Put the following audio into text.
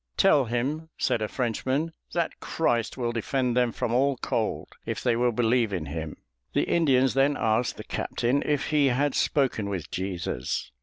"Tell him," said a Frenchman, "that Christ will defend them from all cold, if they will believe in him." The Indians then asked the captain if he had spoken with Jesus.